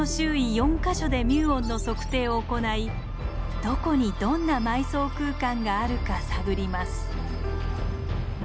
４か所でミューオンの測定を行いどこにどんな埋葬空間があるか探ります。